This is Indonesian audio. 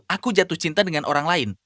aku jatuh cinta dengan orang lain